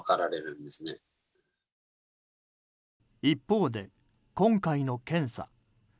一方で、今回の検査。